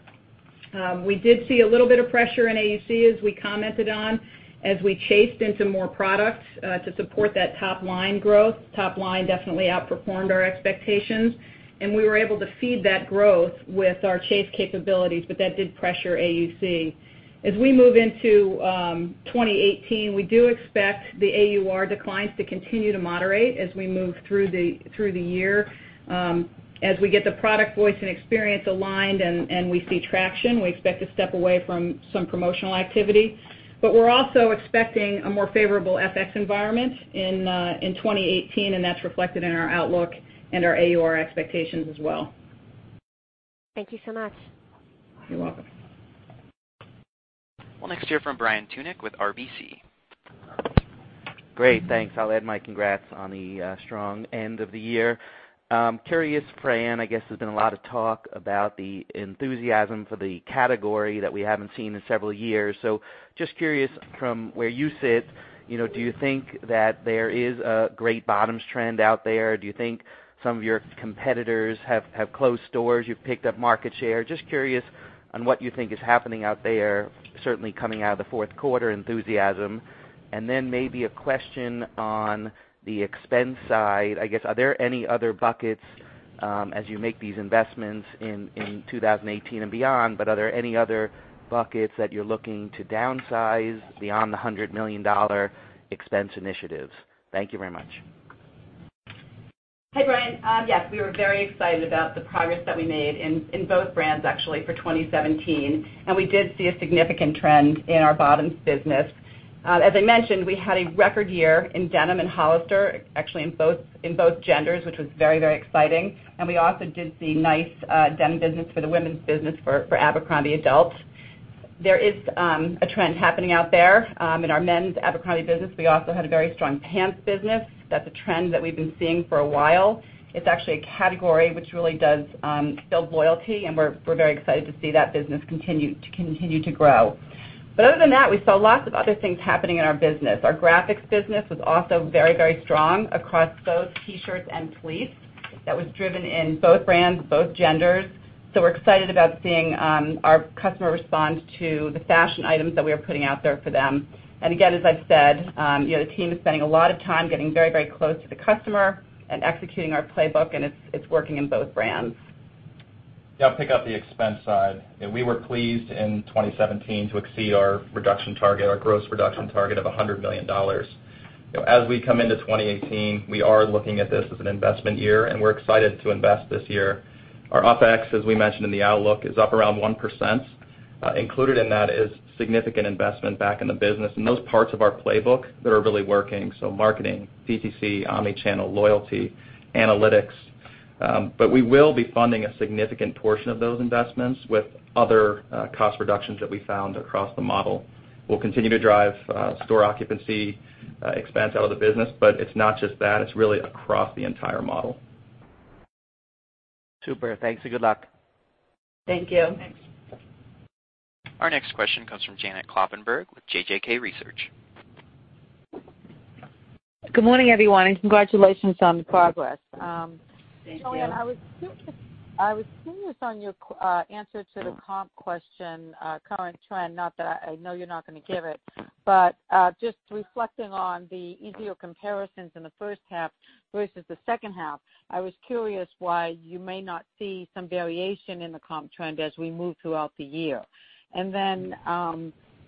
We did see a little bit of pressure in AUC, as we commented on, as we chased into more products to support that top-line growth. Top line definitely outperformed our expectations, and we were able to feed that growth with our chase capabilities, but that did pressure AUC. As we move into 2018, we do expect the AUR declines to continue to moderate as we move through the year. As we get the product voice and experience aligned and we see traction, we expect to step away from some promotional activity. We're also expecting a more favorable FX environment in 2018, and that's reflected in our outlook and our AUR expectations as well. Thank you so much. You're welcome. We'll next hear from Brian Tunick with RBC. Great. Thanks. I'll add my congrats on the strong end of the year. Curious, Fran, I guess there's been a lot of talk about the enthusiasm for the category that we haven't seen in several years. Just curious from where you sit, do you think that there is a great bottoms trend out there? Do you think some of your competitors have closed stores, you've picked up market share? Just curious on what you think is happening out there, certainly coming out of the fourth quarter enthusiasm. Then maybe a question on the expense side. Are there any other buckets as you make these investments in 2018 and beyond, but are there any other buckets that you're looking to downsize beyond the $100 million expense initiatives? Thank you very much. Hey, Brian. Yes, we were very excited about the progress that we made in both brands actually for 2017. We did see a significant trend in our bottoms business. As I mentioned, we had a record year in denim and Hollister, actually in both genders, which was very exciting. We also did see nice denim business for the women's business for Abercrombie adult. There is a trend happening out there. In our men's Abercrombie business, we also had a very strong pants business. That's a trend that we've been seeing for a while. It's actually a category which really does build loyalty, and we're very excited to see that business continue to grow. Other than that, we saw lots of other things happening in our business. Our graphics business was also very strong across both T-shirts and fleece. That was driven in both brands, both genders. We're excited about seeing our customer respond to the fashion items that we are putting out there for them. Again, as I've said, the team is spending a lot of time getting very close to the customer and executing our playbook, and it's working in both brands. Yeah, I'll pick up the expense side. We were pleased in 2017 to exceed our reduction target, our gross reduction target of $100 million. As we come into 2018, we are looking at this as an investment year, and we're excited to invest this year. Our OpEx, as we mentioned in the outlook, is up around 1%. Included in that is significant investment back in the business in those parts of our playbook that are really working: marketing, DTC, omni-channel, loyalty, analytics. We will be funding a significant portion of those investments with other cost reductions that we found across the model. We'll continue to drive store occupancy expense out of the business, but it's not just that, it's really across the entire model. Super. Thanks, and good luck. Thank you. Thanks. Our next question comes from Janet Kloppenburg with JJK Research. Good morning, everyone, and congratulations on the progress. Thank you. Joanne, I was curious on your answer to the comp question, current trend. I know you're not going to give it, but just reflecting on the easier comparisons in the first half versus the second half, I was curious why you may not see some variation in the comp trend as we move throughout the year.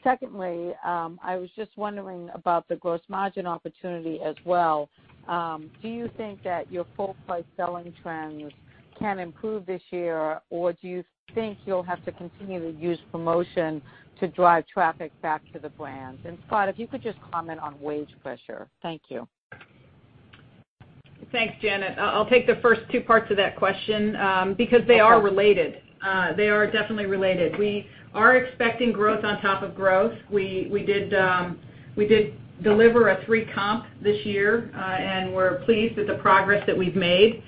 Secondly, I was just wondering about the gross margin opportunity as well. Do you think that your full price selling trends can improve this year, or do you think you'll have to continue to use promotion to drive traffic back to the brands? Scott, if you could just comment on wage pressure. Thank you. Thanks, Janet. I'll take the first two parts of that question because they are related. They are definitely related. We are expecting growth on top of growth. We did deliver a three comp this year, and we're pleased with the progress that we've made.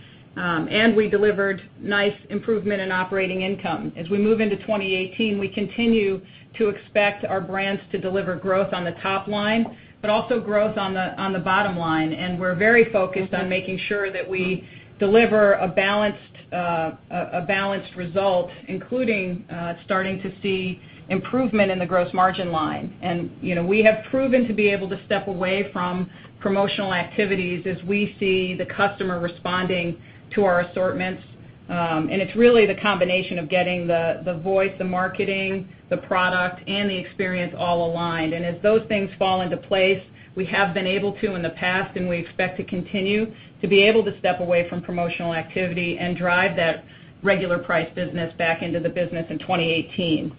We delivered nice improvement in operating income. As we move into 2018, we continue to expect our brands to deliver growth on the top line, but also growth on the bottom line, and we're very focused on making sure that we deliver a balanced result, including starting to see improvement in the gross margin line. We have proven to be able to step away from promotional activities as we see the customer responding to our assortments. It's really the combination of getting the voice, the marketing, the product, and the experience all aligned. As those things fall into place, we have been able to in the past, and we expect to continue to be able to step away from promotional activity and drive that regular price business back into the business in 2018.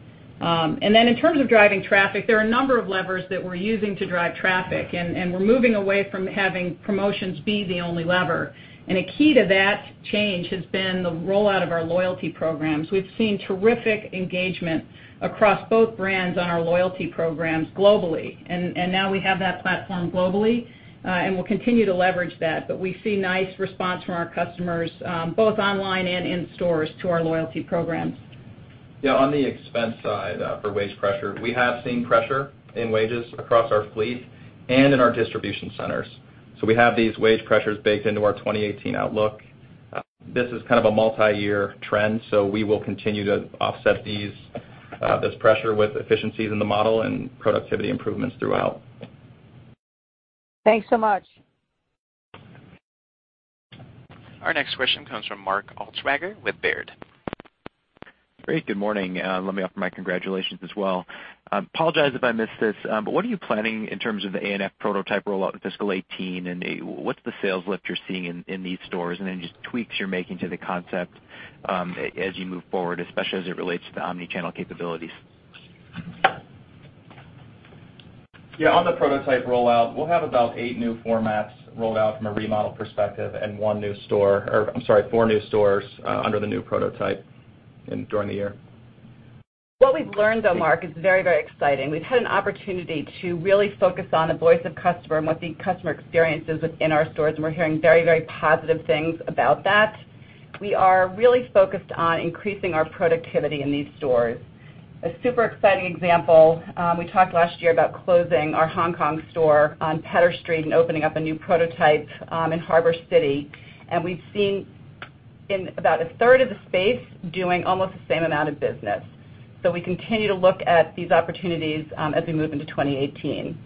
In terms of driving traffic, there are a number of levers that we're using to drive traffic, and we're moving away from having promotions be the only lever. A key to that change has been the rollout of our loyalty programs. We've seen terrific engagement across both brands on our loyalty programs globally. Now we have that platform globally, and we'll continue to leverage that. We see nice response from our customers, both online and in stores, to our loyalty programs. Yeah. On the expense side, for wage pressure, we have seen pressure in wages across our fleet and in our distribution centers. We have these wage pressures baked into our 2018 outlook. This is kind of a multi-year trend, so we will continue to offset this pressure with efficiencies in the model and productivity improvements throughout. Thanks so much. Our next question comes from Mark Altschwager with Baird. Great. Good morning. Let me offer my congratulations as well. Apologize if I missed this, but what are you planning in terms of the A&F prototype rollout in fiscal 2018, and what's the sales lift you're seeing in these stores? Just tweaks you're making to the concept as you move forward, especially as it relates to the omni-channel capabilities. Yeah. On the prototype rollout, we'll have about eight new formats rolled out from a remodel perspective and four new stores under the new prototype during the year. What we've learned, though, Mark Altschwager, is very, very exciting. We've had an opportunity to really focus on the voice of customer and what the customer experience is within our stores, and we're hearing very, very positive things about that. We are really focused on increasing our productivity in these stores. A super exciting example, we talked last year about closing our Hong Kong store on Pedder Street and opening up a new prototype in Harbour City. We've seen in about a third of the space doing almost the same amount of business. We continue to look at these opportunities as we move into 2018.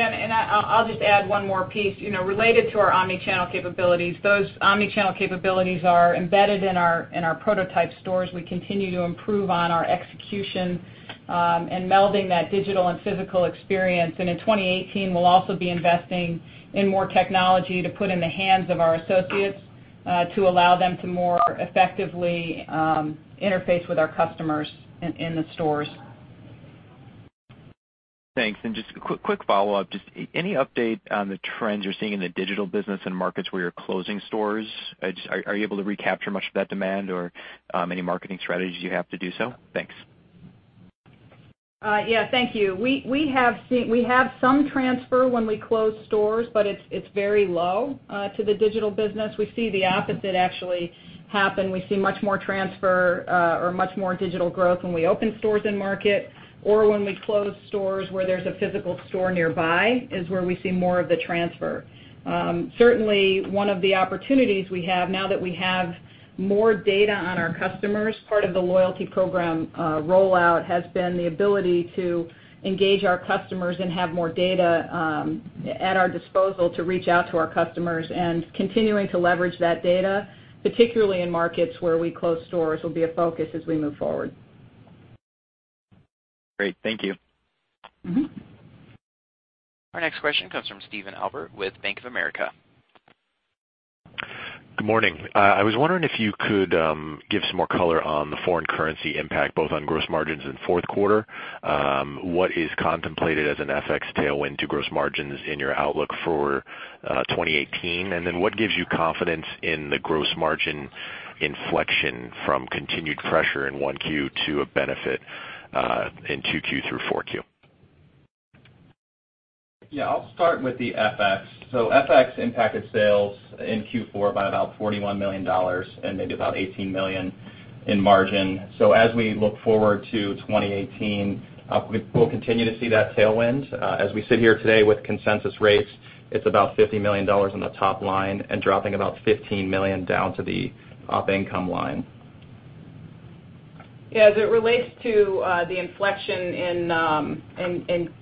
I'll just add one more piece. Related to our omni-channel capabilities, those omni-channel capabilities are embedded in our prototype stores. We continue to improve on our execution and melding that digital and physical experience. In 2018, we'll also be investing in more technology to put in the hands of our associates to allow them to more effectively interface with our customers in the stores. Thanks. Just a quick follow-up. Any update on the trends you're seeing in the digital business in markets where you're closing stores? Are you able to recapture much of that demand or any marketing strategies you have to do so? Thanks. Thank you. We have some transfer when we close stores, but it's very low to the digital business. We see the opposite actually happen. We see much more transfer or much more digital growth when we open stores in market or when we close stores where there's a physical store nearby is where we see more of the transfer. Certainly, one of the opportunities we have now that we have more data on our customers, part of the loyalty program rollout has been the ability to engage our customers and have more data at our disposal to reach out to our customers and continuing to leverage that data, particularly in markets where we close stores, will be a focus as we move forward. Great. Thank you. Our next question comes from Stephen Albert with Bank of America. Good morning. I was wondering if you could give some more color on the foreign currency impact, both on gross margins in fourth quarter. What is contemplated as an FX tailwind to gross margins in your outlook for 2018? What gives you confidence in the gross margin inflection from continued pressure in Q1 to a benefit in Q2 through Q4? Yeah, I'll start with the FX. FX impacted sales in Q4 by about $41 million and maybe about $18 million in margin. As we look forward to 2018, we'll continue to see that tailwind. As we sit here today with consensus rates, it's about $50 million on the top line and dropping about $15 million down to the Op Income line. Yeah. As it relates to the inflection in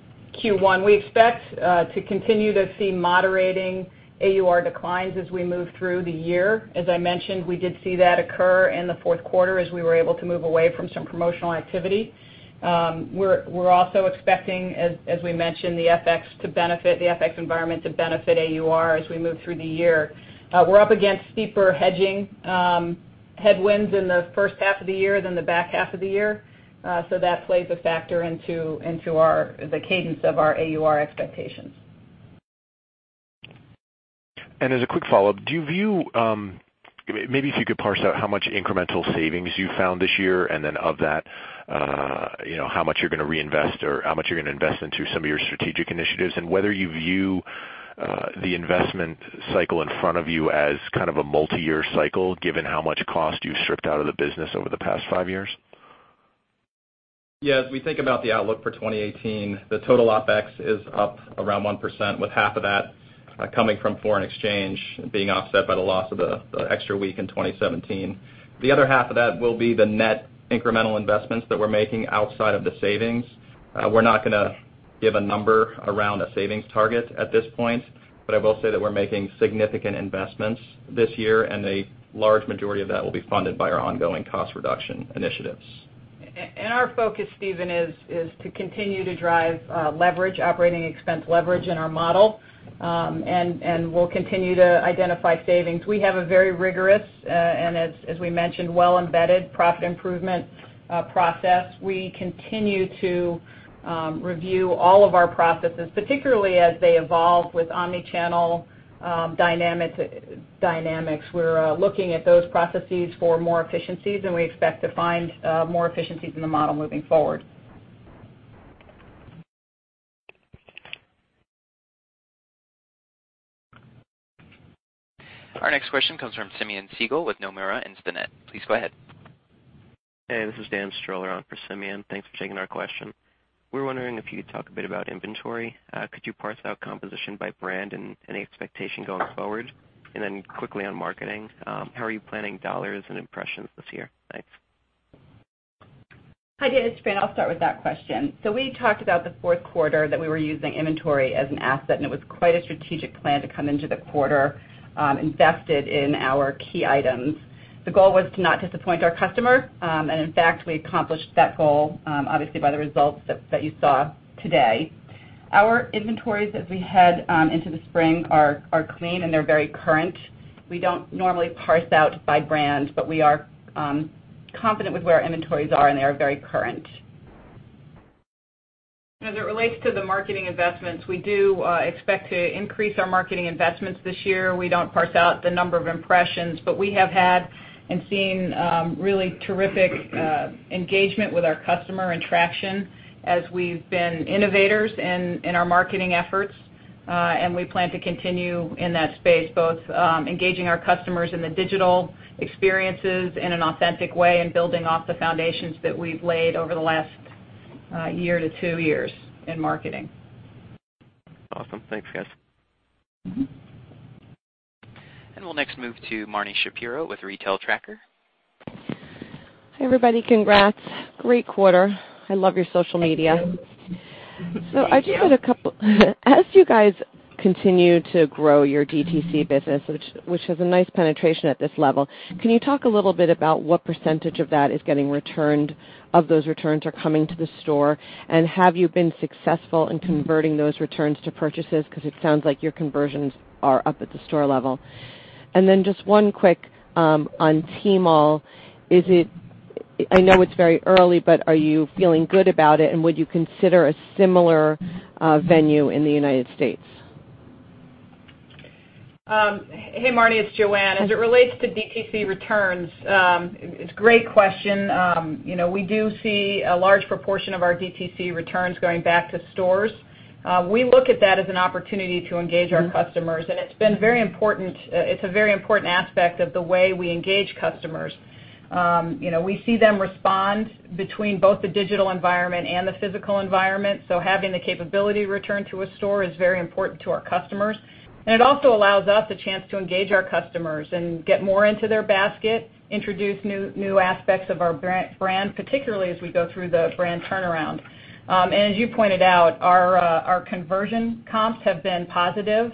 Q1, we expect to continue to see moderating AUR declines as we move through the year. As I mentioned, we did see that occur in the fourth quarter as we were able to move away from some promotional activity. We are also expecting, as we mentioned, the FX environment to benefit AUR as we move through the year. We are up against steeper hedging headwinds in the first half of the year than the back half of the year. That plays a factor into the cadence of our AUR expectations. As a quick follow-up, maybe if you could parse out how much incremental savings you found this year, then of that, how much you are going to reinvest or how much you are going to invest into some of your strategic initiatives, and whether you view the investment cycle in front of you as kind of a multi-year cycle, given how much cost you have stripped out of the business over the past five years. Yeah. As we think about the outlook for 2018, the total OpEx is up around 1%, with half of that coming from foreign exchange being offset by the loss of the extra week in 2017. The other half of that will be the net incremental investments that we're making outside of the savings. We're not going to give a number around a savings target at this point, but I will say that we're making significant investments this year, and a large majority of that will be funded by our ongoing cost reduction initiatives. Our focus, Steven, is to continue to drive leverage, operating expense leverage in our model. We'll continue to identify savings. We have a very rigorous, and as we mentioned, well-embedded profit improvement process. We continue to review all of our processes, particularly as they evolve with omni-channel dynamics. We're looking at those processes for more efficiencies, and we expect to find more efficiencies in the model moving forward. Our next question comes from Simeon Siegel with Nomura Instinet. Please go ahead. Hey, this is Dan Stroller on for Simeon. Thanks for taking our question. We were wondering if you could talk a bit about inventory. Could you parse out composition by brand and any expectation going forward? Quickly on marketing, how are you planning $ and impressions this year? Thanks. Hi, Dan. It's Fran. I'll start with that question. We talked about the fourth quarter, that we were using inventory as an asset, and it was quite a strategic plan to come into the quarter invested in our key items. The goal was to not disappoint our customer. In fact, we accomplished that goal, obviously, by the results that you saw today. Our inventories as we head into the spring are clean, and they're very current. We don't normally parse out by brand, but we are confident with where our inventories are, and they are very current. As it relates to the marketing investments, we do expect to increase our marketing investments this year. We don't parse out the number of impressions, but we have had and seen really terrific engagement with our customer and traction as we've been innovators in our marketing efforts. We plan to continue in that space, both engaging our customers in the digital experiences in an authentic way and building off the foundations that we've laid over the last year to two years in marketing. Awesome. Thanks, guys. Mm-hmm. We'll next move to Marni Shapiro with The Retail Tracker. Hey, everybody. Congrats. Great quarter. I love your social media. Thank you. Thank you. As you guys continue to grow your DTC business, which has a nice penetration at this level, can you talk a little bit about what % of that is getting returned, of those returns are coming to the store? Have you been successful in converting those returns to purchases? It sounds like your conversions are up at the store level. Then just one quick on Tmall. I know it's very early, but are you feeling good about it, and would you consider a similar venue in the U.S.? Hey, Marni, it's Joanne. As it relates to DTC returns, it's a great question. We do see a large proportion of our DTC returns going back to stores. We look at that as an opportunity to engage our customers, and it's a very important aspect of the way we engage customers. We see them respond between both the digital environment and the physical environment. Having the capability to return to a store is very important to our customers. It also allows us a chance to engage our customers and get more into their basket, introduce new aspects of our brand, particularly as we go through the brand turnaround. As you pointed out, our conversion comps have been positive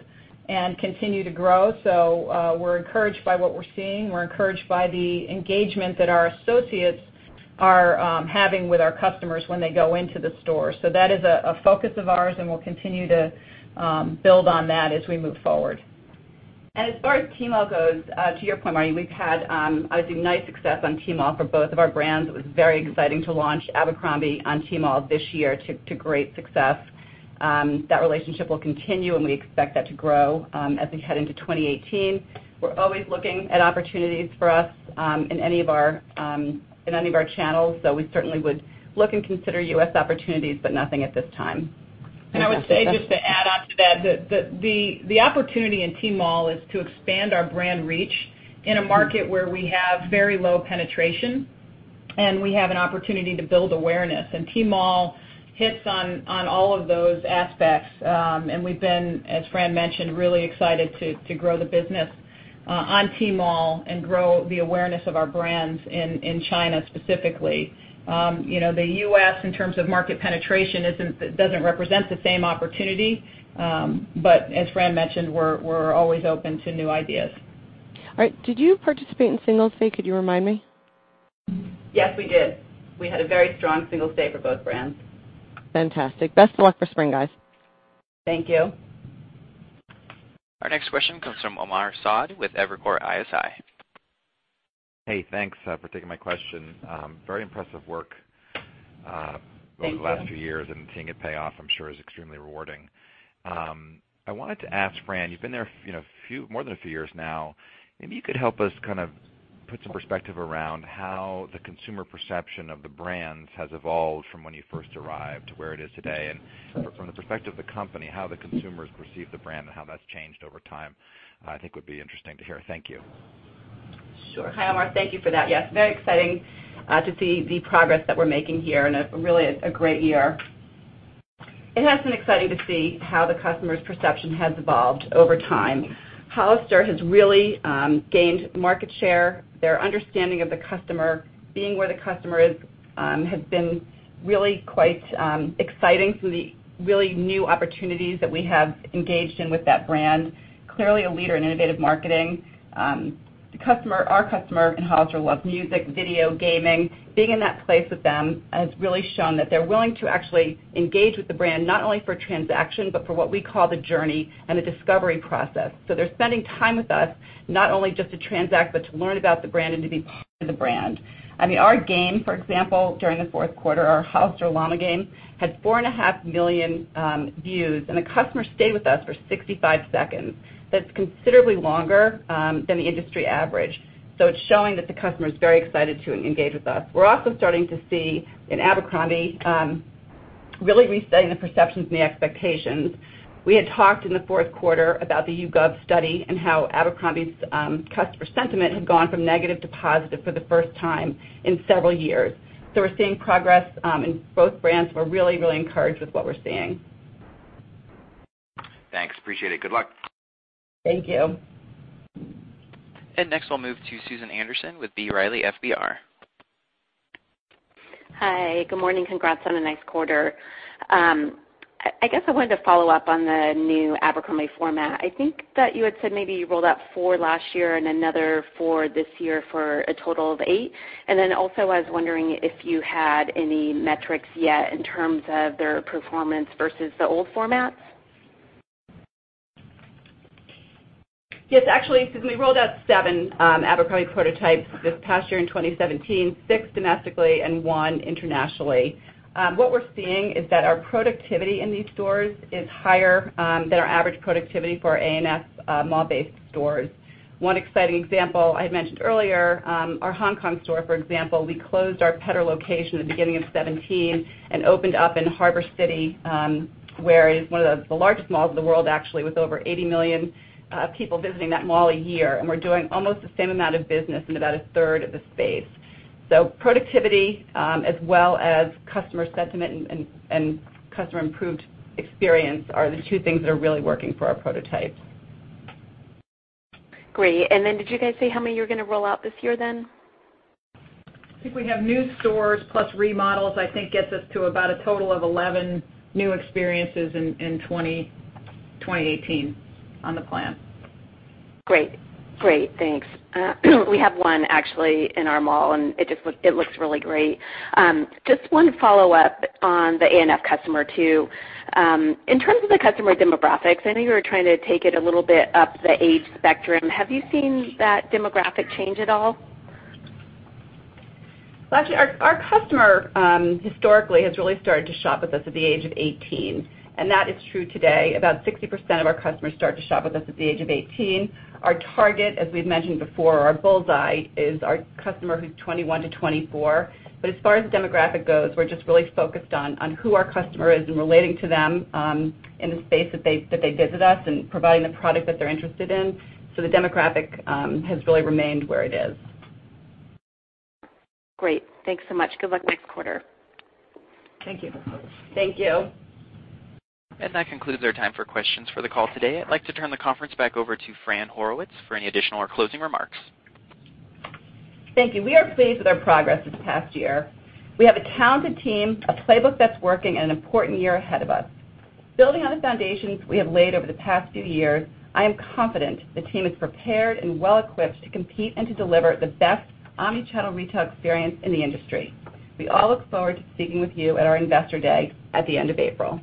and continue to grow. We're encouraged by what we're seeing. We're encouraged by the engagement that our associates are having with our customers when they go into the store. That is a focus of ours, and we'll continue to build on that as we move forward. As far as Tmall goes, to your point, Marni, we've had, I would say, nice success on Tmall for both of our brands. It was very exciting to launch Abercrombie on Tmall this year to great success. That relationship will continue, and we expect that to grow as we head into 2018. We're always looking at opportunities for us in any of our channels, so we certainly would look and consider U.S. opportunities, but nothing at this time. I would say, just to add onto that the opportunity in Tmall is to expand our brand reach in a market where we have very low penetration, and we have an opportunity to build awareness. Tmall hits on all of those aspects. We've been, as Fran mentioned, really excited to grow the business on Tmall and grow the awareness of our brands in China specifically. The U.S., in terms of market penetration, doesn't represent the same opportunity. As Fran mentioned, we're always open to new ideas. All right. Did you participate in Singles' Day? Could you remind me? Yes, we did. We had a very strong Singles' Day for both brands. Fantastic. Best of luck for spring, guys. Thank you. Our next question comes from Omar Saad with Evercore ISI. Hey, thanks for taking my question. Thank you over the last few years, and seeing it pay off, I'm sure, is extremely rewarding. I wanted to ask Fran, you've been there more than a few years now. Maybe you could help us put some perspective around how the consumer perception of the brands has evolved from when you first arrived to where it is today. From the perspective of the company, how the consumers perceive the brand and how that's changed over time, I think would be interesting to hear. Thank you. Sure. Hi, Omar. Thank you for that. Yes, very exciting to see the progress that we're making here and really a great year. It has been exciting to see how the customer's perception has evolved over time. Hollister has really gained market share. Their understanding of the customer, being where the customer is, has been really quite exciting, some of the really new opportunities that we have engaged in with that brand. Clearly a leader in innovative marketing. Our customer in Hollister loves music, video, gaming. Being in that place with them has really shown that they're willing to actually engage with the brand, not only for transaction, but for what we call the journey and the discovery process. They're spending time with us not only just to transact, but to learn about the brand and to be part of the brand. Our game, for example, during the fourth quarter, our Hollister llama game, had 4.5 million views, and the customer stayed with us for 65 seconds. That's considerably longer than the industry average. It's showing that the customer is very excited to engage with us. We're also starting to see, in Abercrombie, really resetting the perceptions and the expectations. We had talked in the fourth quarter about the YouGov study and how Abercrombie's customer sentiment had gone from negative to positive for the first time in several years. We're seeing progress in both brands. We're really, really encouraged with what we're seeing. Thanks. Appreciate it. Good luck. Thank you. Next, we'll move to Susan Anderson with B. Riley FBR. Hi. Good morning. Congrats on a nice quarter. I guess I wanted to follow up on the new Abercrombie format. I think that you had said maybe you rolled out four last year and another four this year for a total of eight. Then also, I was wondering if you had any metrics yet in terms of their performance versus the old formats. Yes, actually, Susan Anderson, we rolled out seven Abercrombie prototypes this past year in 2017, six domestically and one internationally. What we're seeing is that our productivity in these stores is higher than our average productivity for our A&F mall-based stores. One exciting example I had mentioned earlier, our Hong Kong store, for example, we closed our Pedder location at the beginning of 2017 and opened up in Harbour City where it is one of the largest malls in the world, actually, with over 80 million people visiting that mall a year. We're doing almost the same amount of business in about a third of the space. Productivity as well as customer sentiment and customer improved experience are the two things that are really working for our prototypes. Great. Did you guys say how many you were going to roll out this year then? I think we have new stores plus remodels, I think gets us to about a total of 11 new experiences in 2018 on the plan. Great. Thanks. We have one actually in our mall, and it looks really great. Just one follow-up on the A&F customer, too. In terms of the customer demographics, I know you were trying to take it a little bit up the age spectrum. Have you seen that demographic change at all? Well, actually, our customer historically has really started to shop with us at the age of 18. That is true today. About 60% of our customers start to shop with us at the age of 18. Our target, as we've mentioned before, our bullseye is our customer who's 21 to 24. As far as demographic goes, we're just really focused on who our customer is and relating to them in the space that they visit us and providing the product that they're interested in. The demographic has really remained where it is. Great. Thanks so much. Good luck next quarter. Thank you. Thank you. That concludes our time for questions for the call today. I'd like to turn the conference back over to Fran Horowitz for any additional or closing remarks. Thank you. We are pleased with our progress this past year. We have a talented team, a playbook that's working, and an important year ahead of us. Building on the foundations we have laid over the past few years, I am confident the team is prepared and well-equipped to compete and to deliver the best omnichannel retail experience in the industry. We all look forward to speaking with you at our Investor Day at the end of April.